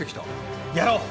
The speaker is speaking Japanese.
やろう！